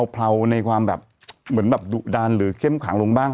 เผาในความแบบเหมือนแบบดุดันหรือเข้มขังลงบ้าง